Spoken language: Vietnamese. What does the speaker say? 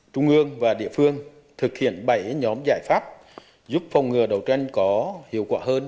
trung ương và địa phương thực hiện bảy nhóm giải pháp giúp phòng ngừa đấu tranh có hiệu quả hơn